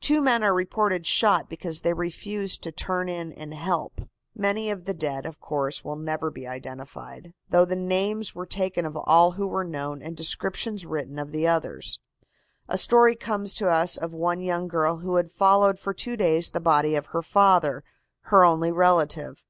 Two men are reported shot because they refused to turn in and help." Many of the dead, of course, will never be identified, though the names were taken of all who were known and descriptions written of the others. A story comes to us of one young girl who had followed for two days the body of her father, her only relative.